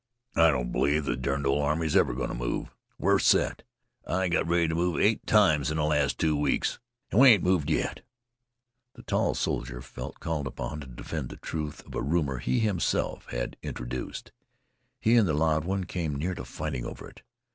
"I don't believe the derned old army's ever going to move. We're set. I've got ready to move eight times in the last two weeks, and we ain't moved yet." The tall soldier felt called upon to defend the truth of a rumor he himself had introduced. He and the loud one came near to fighting over it.